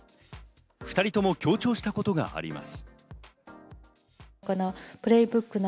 ２人とも強調したことがあります。